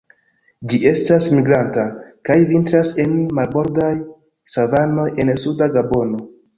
Ĝi estas migranta, kaj vintras en marbordaj savanoj en suda Gabono.